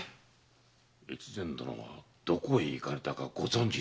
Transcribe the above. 越前殿はどこへ行かれたかご存じであろうのう？